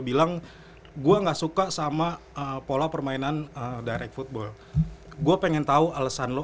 bilang gua nggak suka sama pola permainan daerah football gue pengen tahu alesan lo